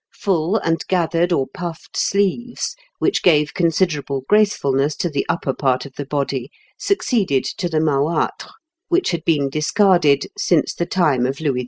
Full and gathered or puffed sleeves, which gave considerable gracefulness to the upper part of the body, succeeded to the mahoitres, which had been discarded since the time of Louis XI.